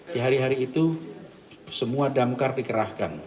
di hari hari itu semua damkar dikerahkan